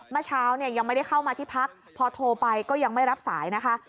เมื่อเช้าเนี่ยยังไม่ได้เข้ามาที่พักพอโทรไปก็ยังไม่รับสายนะคะ